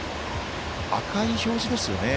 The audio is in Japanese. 赤い表示ですよね。